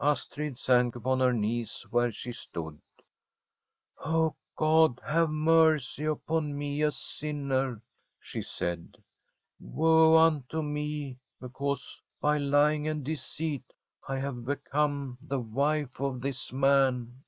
Astrid sank upon her knees where she stood. • Oh God. have mercy upon me, a sinner! ' she said. * Woe unto me, because by lying and de ceit I have become the wife of this man.'